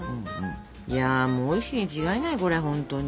いやもうおいしいに違いないこれほんとに。